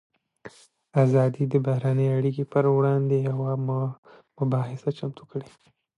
ازادي راډیو د بهرنۍ اړیکې پر وړاندې یوه مباحثه چمتو کړې.